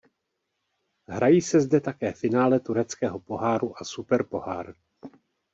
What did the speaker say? Hrají se zde také finále tureckého poháru a Superpohár.